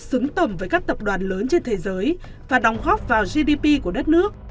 xứng tầm với các tập đoàn lớn trên thế giới và đóng góp vào gdp của đất nước